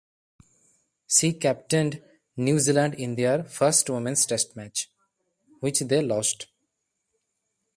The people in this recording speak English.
She captained New Zealand in their first women's Test match, which they lost.